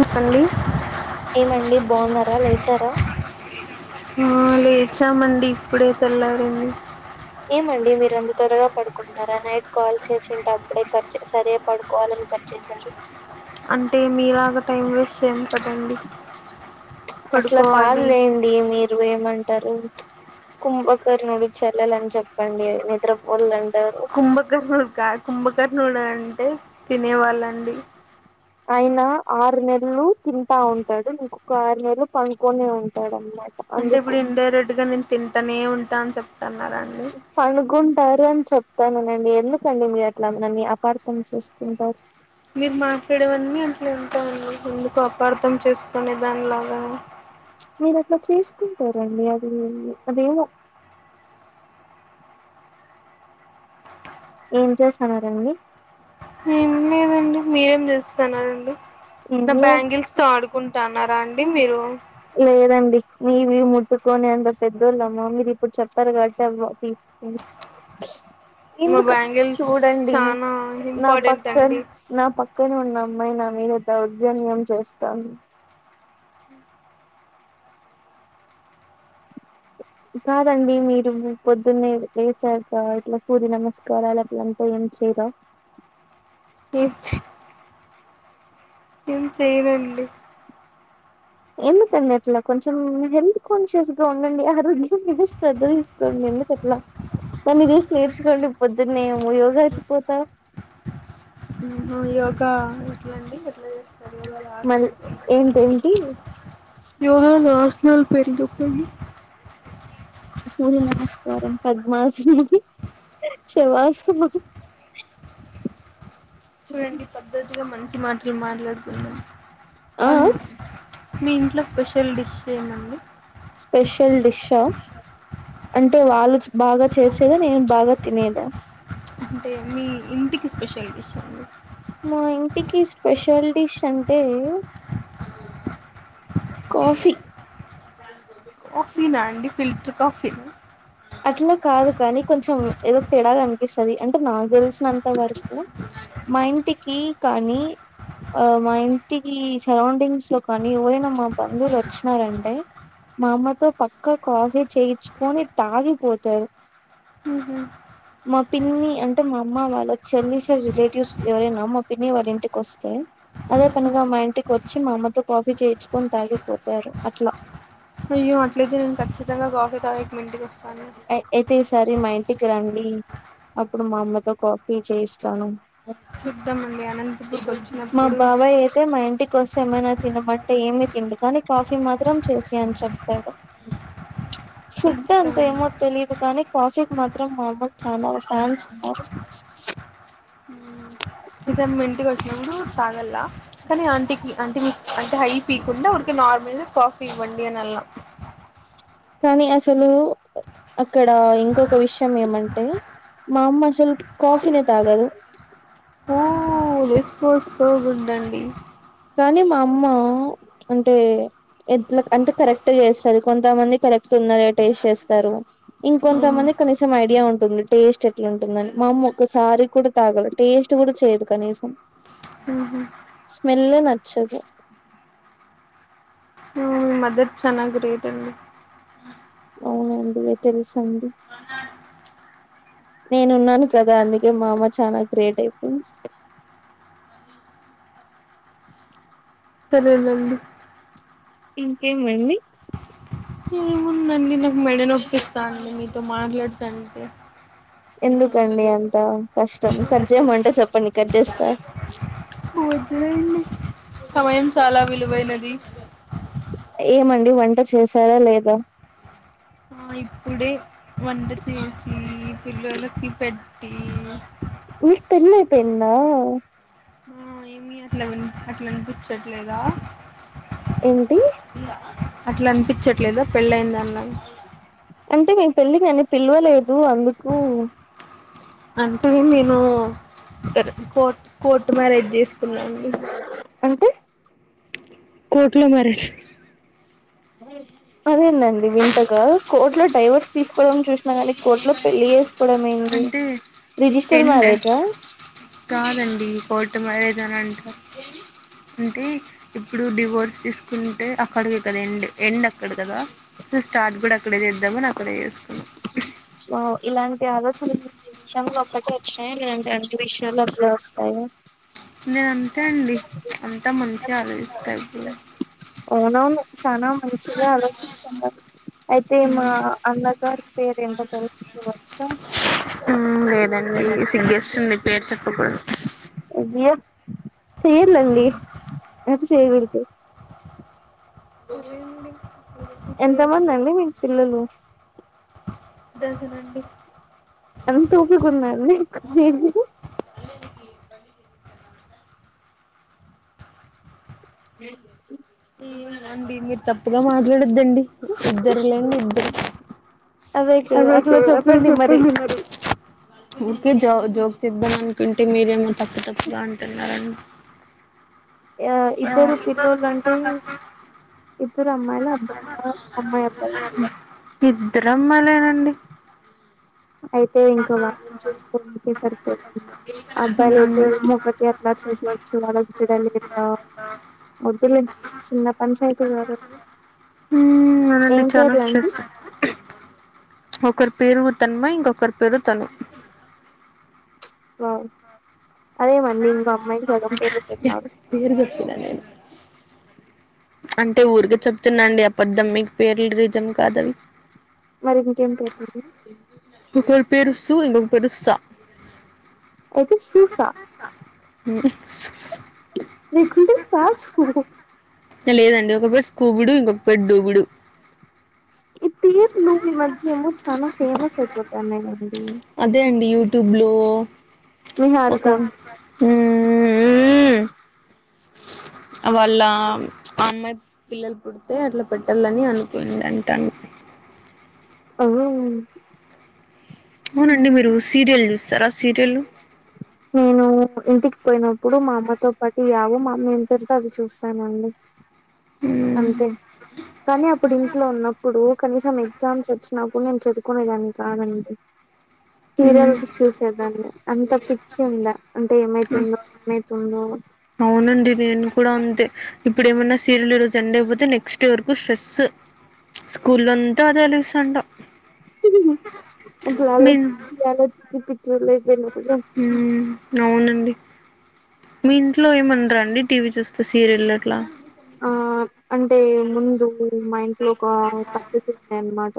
చెప్పండి ఏమండి బాగున్నారా లేసారా అప్పుడే తెల్లారింది ఏమండి మీరు అంత త్వరగా పడుకుంటారా నైట్ కాల్ చేసేటప్పుడే కట్ చేశారూ సరియే పడుకోవాలని కట్ చేసారా అంటే మీలాగా టైం వేస్ట్ చేయం కదండి అట్లా పడుకోవాలి కాదులేండి మీరు ఏమన్నా అంటారు కుంభకర్ణుడు చెల్లాలని చెప్పండి నిద్రపోల్ కుంభకర్ణులు కాదు కుంభకర్ణులు అంటే తినేవాళ్ళండి ఆయన ఆరు నెలలు తింటా ఉంటాడు ఇంకొక ఆరు నెలలు పడుకొనే ఉంటాడు అనమాట అంటే అందుకు ఇప్పుడు ఇన్ డైరెక్ట్ గా నేను తింటనే ఉంటా అని చెప్తున్నారా అండి సారే అని చెప్తాననండి ఎందుకండి మీరు అట్లా నన్ని అపార్థం చేసుకుంటారు మీరు మాట్లాడేవన్నీ అట్లే ఉంటాయండి ఎందుకు అపార్ధం చేసుకునే దానిలాగా మీరు అట్లా చేసుకుంటారండి అది అదేవో ఏం చేస్తున్నారండి ఏం లేదండి మీరేం చేస్తున్నరండి ఏం నా లేదు బ్యాంగిల్స్ తో ఆడుకుంటున్నారా అండి మీరు లేదండి మీవి ముట్టుకొని అంత పెద్దోళ్ళమ్మా మీరు ఇప్పుడు చెప్పారు కాబట్టి అవో తీసుకు మా ఎందుకు బ్యాంగిల్స్ చూడండి చానా నా ఇంపార్టెంట్ పక్కన అండి నా పక్కన ఉన్న అమ్మాయి నా మీద దౌర్జన్యం చేస్తోంది కాదండి మీరు పొద్దున్నే లేసాక ఇట్లా సూర్య నమస్కారాలులంతా ఏ చేయరా ఏం చే ఏం చేయనండి ఎందుకండి అట్లా కొంచెం హెల్త్ కాన్షియస్గా ఉండండి ఆరోగ్యం శ్రద్ధ తీసుకోండి ఎందుకట్లా నన్ను చూసి నేర్చుకోండి పొద్దునే యోగాకి పోతా ఈ యోగా ఎట్లా అండి ఎట్లా చేస్తారు యోగలో మళ్ ఆసనాలు ఏంటేంటి ఎవరో నాశ్నల్ [unintelligible] సూర్య నమస్కారం పద్మాసనం శవాసం అది చూడండి పద్ధతిగా మంచి మాటలు మాట్లాడుకుందం ఆ అన్ మీ ఇంట్లో స్పెషల్ డిష్ ఏమన్ స్పెషల్ డిష్షా అంటే వాళ్ళుచ్ బాగా చేసేదా నేను బాగా తినేదా అంటే మీ ఇంటికి స్పెషల్ డిష్ అండి మా ఇంటికి స్పెషల్ డిష్ అంటే కాఫీ కాఫీనా అండి ఫిల్టర్ కాఫీనా అట్ల కాదు కానీ కొంచెం ఏదో తెడాగా అనిపిస్తది అన్ టె నాక్ తెలిసినంత వరకు మా ఇంటికీ కానీ ఆ మా ఇంటికీ సరౌండింగ్స్ లో కానీ ఎవరైనా మా బంధువులు వచ్చినారంటే మా అమ్మతో పక్కా కాఫీ చేయిచ్చుకొని తాగి పోతారు ఊహు పిన్ని అంటే మా అమ్మ వాళ్ళ చెల్లి సైడ్ రిలేటివ్స్ ఎవరైనా మా పిన్ని వాళ్ళ ఇంటికి ఒస్తే అదే పనిగా మా ఇంటికి వచ్చి మా అమ్మతో కాఫీ చేయిచ్చుకొని కాఫీ తాగిపోతారు అట్లా అయ్యో అట్లయితే నేను ఖచ్చితంగా కాఫీ తాగేకి మీ ఇంటికి ఒస్ ఏ అయితే ఈసారి మా ఇంటికి రండీ అప్పుడు మా అమ్మతో కాఫీ చేయిస్తాను చూద్దామన్ మా బాబాయ్ అయితే మా ఇంటి వస్తె ఏమైనా తినమంటే ఏమి తిండు కానీ కాఫీ మాత్రం చేసి యన్ చెప్తాడు ఖచ్చితంగ కాని కాఫీక్ మాత్రం మా అమ్మక్ చాలా ఫ్యాన్స్ ఉన్నారు ఈ సారి మీ ఇంటికి వచ్చినప్పుడు తాగల్లా కానీ ఆంటీకి ఆంటి మి అంటే హై పీకుండా ఊరికెనె నార్మల్ గ కాఫీ ఇవ్వండి అనాల్ల కానీ అసలూ అక్కడ ఇంకొక విషయం ఏమంటే మా అమ్మ అసలు కాఫీనే తాగదు [inaudible] ఓ థిస్ వాస్ సో గుడ్ అండి కానీ మా అమ్మా అంటే ఎట్ల అంత కరెక్ట్ గ ఏస్తది కొంతమంది కరెక్ట్ తున్నగ టేస్ చేస్తారు మ్మ్ ఇంకొంతమంది కనీసం ఐడియా ఉంటుంది, టేస్ట్ ఎట్ల ఉంటుందని మా అమ్మ ఒక్కసారి కూడ తాగలె టేస్. టు గూడ చేయదు కనీసం ఊహు మెల్లె నచ్చదు మి మదర్ చానా గ్రేట్ అండి అవునండి ఇగ తెలుసండి నేనున్నాను కదా అందుకే మా అమ్మ చానా గ్రేట్ అయిపోయింది సరేనండి ఇంకేం అండి ఏముందండి నాక్ మెడ నొప్పిస్తా అండి మీతో మాట్లాడుతంటే ఎందుకండి అంత కష్టం కట్ చేయమంటే చెప్పండి కట్ చేస్తా వద్దులేండి సమయం చాలా విలువైనది ఏమండి వంట చేసారా లేదా ఆ ఇప్పుడే వంట చేసి పిల్లలకి పెట్టి మిక్ పెళ్లి అయిపోయిందా హా ఏమి అట్లా అట్లా అనిపించట్లేదా ఏంటి అట్లా అనిపించట్లేదా పెళ్ళయిందనీలాగా అంటే మీే పెళ్ళి కి నన్ను పిలవలేదు అందుకు అంటే మీరు కోర్ట్ కోర్టు మ్యారేజ్ చేసుకున్నాండి అంటే కోర్ట్లో మ్యారేజ్ అదేనండి వింతగా కోర్టులో డైవర్స్ తీసుకోవడం చూసినా కానీ కోర్టులో పెళ్ళి చే అంటే ఎండ్ మ్యారేజా కాదండి కోర్టు మ్యారేజ్ అని అంటారు అంటే ఇప్పుడు డివోర్స్ తీసుకుంటే అక్కడికి కదా ఎండ్ ఎండ్ అక్కడ కదా నేను స్టార్ట్ కూడా అక్కడే చేద్దామని అక్కడే చేసుకున్నా ఇ ఆలోచనలు ఈ విషయ ఒకక్కటి వచ్చాయి లేదు అంతే అన్ని విషయాలు అట్లే వస్తాయి నేను అంతే అండి అంతా మంచిగా ఆలోచిస్తాయి ఇప్పుడు అవునవును చనా మంచిగా ఆలోచిస్తున్నారు అయితే మా అన్నగారు పేరు ఎంత తెరచకు వచ్చా లేదండి సిగ్గేసింది పేరు చెప్పకూడదు చేయలేండి అది చే వి చూడండి ఇప్పుడే ఎంతమంది అండి మీకు పిల్లలు దర్శనండి అంత ఓపికున్నాదా అండి మీకు అ ఏమోనండి మీరు తప్పుగా మాట్లాడద్దండి ఇద్దరులేండి ఇద్దరు అదే కదా అట్లా అే చెప్పండి చెప్పే బ మరి ఊరికే జో జోక్ చేద్దామని అంటే మీరేమో తప్పు తప్పుగా అంటున్నారండి యా ఇద్దరు పిల్లలు అంటే ఇద్దరు అమ్మాయిల అబ్బాయిల అమ్మాయి అబ్బాయిల ఇద్దరమ్మలేనండి అయితే ఇంక వాళ్ళని చూసుకోడాకే సరిపోతుంది అబ్బాయిలు మ్మ్ అయితే ఒకొటి అట్లా చే చ్చు వాాలచ్చడ లే వద్దులే చిన్న పంచాయతీలు కాదు అది హ్మ్ అనండి ఏం చాలా పేర్లు అండి స్ట్రెస్ ఒకరి పేరు తన్మా ఇంకొకరి పేరు తను వావ్ అదేమండి ఇంకో అమ్మాయి సగం పేరు పెట్టారు పేరు చెప్పినా నేను అంటే ఊరిక చెప్తున్నా అండి అబద్ధం మీకు పేర్ల రీజం కాదనీ మరి ఇంకేం పెతాది ఒకరి పేరు సు ఇంకొక పేరు సా అయితే సూసా ఉ మీ రకుంట సజ ఏ లేదండి ఒక పేరు స్కకుడు ఇంకొ పేరు దుగుడు ఈ తీత్లుూ ఈ మధ్యము చాలా ఫేమస్ అయిపోతే అన్నయండి అదే అండి యూట్యూబ్ లో ఒక నిహారిక హు హు హూ వాళ్ళ అమ్మాయి పిల్లలు పుడితే అట్లా పెట్టాలని అనుకుంది అంటా అవునా అవునండి మీరు సీరియల్ చూస్తారా సీరియల్ నేను ఇంటికి పోయినప్పుడు మా అమ్మతో పాట్ యావో మ అమ్మ ఏవీ పెడితే అవి చూస్తానండి అంతే కానీ అప్పుడు ఇంట్లో ఉన్నప్పుడు కనీసం ఎగ్జామ్స్ వచ్చి నాకు నేను చదువుకునేదాన్ని కాదండి సీరియల్స్ చూసేదాన్ని అంత పిచ్చి ఉండ అంటే ఏమైతుందో ఏమై తుందో అవునండి నేను కూడా అంతే ఇప్పుడు ఏమన్నా సీరియల్ ఈ రోజు సండేపోతే నెక్స్ట్డే వరకు స్ట్రెస్ స్కూల్లో అంతా అదే ఆలోసిస్తానే ఉంటా అట్లా మీ ఆలోచించి ఆలోచించి పిచ్చోళ్ళు అయిపోయినా కూడా అవునండి మీ ఇంట్లో ఏమండరా అండి టీవీ చూస్తే సీరియల్ అట్లా ఆ అంటే ముందు మా ఇంట్లో ఒక పద్ధతి ఉండే అన్నమాట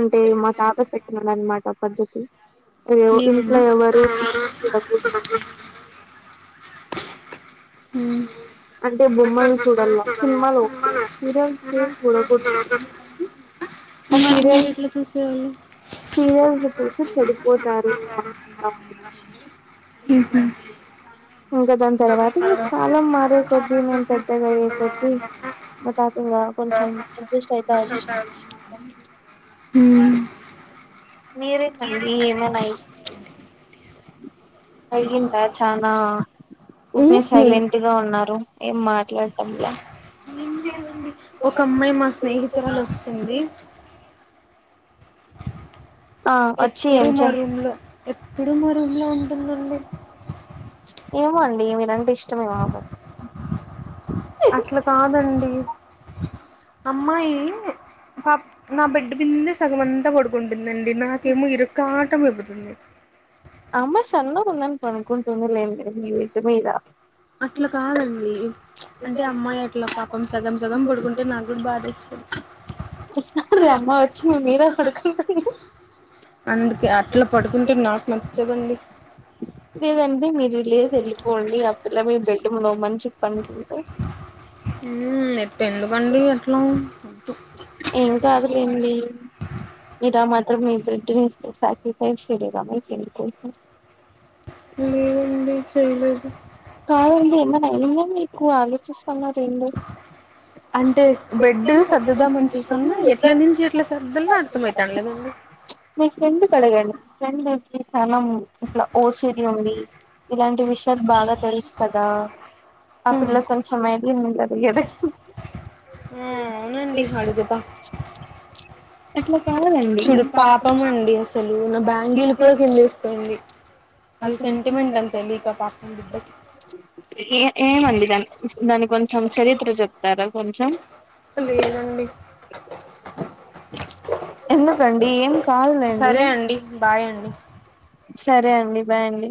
అంటే మా తాత పెట్టిన్నడనమాట పద్ధతి అయ్యో ఇంట్లో ఏమండి ఎవరు టీవీ చూడకూడదు హ్మ్మ్ అంటే బొమ్మలు చూడల్లా సినిమాలు ఓకే సీరియల్స్ చూడకూడదు ఎందుకంటే ఆ మరి మీరు సీరియల్స్ ఎట్లా చూసేవాళ్ళు సీరియల్స్ చూసి చెడిపోతారు అని అంటా ఉన్నారు ఉహు ఇంకా దాని తర్వాత ఇ కాలం మారే కొద్ద్దీ మేం పెద్దగా అయ్యే కొద్దీ మా తాత ఇంకా కొంచెం అడ్జస్ట్ అయిత వచ్చినాడు ఇంకా హ్మ్మ్ మీరేమండి ఏమన్నా అయితే అయ్యో అయిందా చనా ఒకే ఉమ్ సైలెంట్ గా ఏం ఉన్నారు ఏం మాట ట్లాడంలే లేదండి ఒక అమ్మాయి మా స్నేహితురాలు వస్తుంది ఆ వచ్చి ఎప్పుడు ఏం మా చే రూమ్లో ఎప్పుడు మా రూమ్లో ఉంటుందండి ఏమో అండి మీరంటే ఇష్టమేమో ఆ పాపకి అట్లా కాదండి అమ్మాయి పా నా బిడ్ మిందే సగం అంతా పడుకుంటుందండి నాకేమో ఇరకాటం అయిపోతుంది ఆ అమ్మాయి సన్నగా ఉందనీ పనుకుంటుందిలేండి మీ బెడ్డు మీద అట్లా కాదండి అంటే అమ్మాయి అట్లా పాపం సగం సగం పడుకుంటే నాకు కూడా బాధేస్తాది అరే అమ్మ వచ్చివ్ మీర పడుకుంటా అందుకే అట్లా పడుకుంటే నాకు నచ్చదండి లేదండి మీరు లేసి వెళ్ళిపోండి ఆ పిల్ల మీ బెడ్డ మీద మంచిగా పనుకుంటే ఉమ్ ఎప్పు ఎందుకండి అట్లా ఏం కాదులేండి ఏంటి ఆ మాత్రం మీ బెడ్నీ సక్రిఫైస్ చేయలేరా మీ ఫ్రెండ్ కోసం లేదండి చేయలేదు కాదండి ఎమైనా అయినా మీకు ఆలోచిస్ అయినా చేంజ్ లేదు [inaudible] సర్దామని చూసామా ఎట్ల నుంచి ఎట్లా సర్దల్లో అర్థంమయితా లేదండి. మీ ఫ్రెండ్ కు అడగండి ఫ్రెండ్ హెల్ప్ తీ తరణం ఇట్లా ఓసిడి ఉంది. ఇలాంటి విషయాలు బాగా తెలుసు కదా. ఆపిల్ల కొంచం ఎళ్లి [unintelligible] ఎస్తుంది. ఉ అవునండి అడుగుతా. ఎట్లా చూడు పాపం అండి అసలు నా బ్యాంగిల్ కూడా కిందేస్తుంది. అవి సెంటిమెంట్ అని తెలియక పాపం బిడ్డకి. ఏ ఏమండి దాని దాని కొంచెం చరిత్ర చెప్తారా కొంచెం. లేదండి. ఎందుకండి ఏం కాదులేండి సరే అండి, బాయ్ అండి. సరే అండి, బాయ్ అండి.